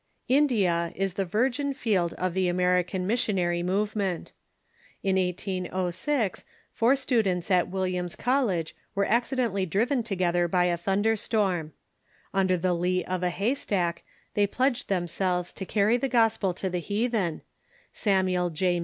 India was the virgin field of the American missionary move ment. In 1806, four students at Williams College Avere acci , dentally driven together by a thunder storm. Under the lee of a hay stack they pledged themselves to carry the gospel to the heathen, Samuel J.